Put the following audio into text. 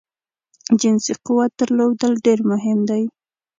جنسی قوت درلودل ډیر مهم دی